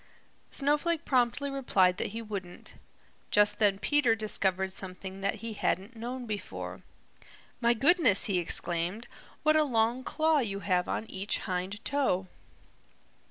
Snowflake promptly replied that he wouldn't. Just then Peter discovered something that he hadn't known before. "My goodness," he exclaimed, "what a long claw you have on each hind toe!"